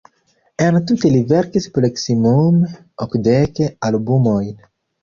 Entute li verkis proksimume okdek albumojn.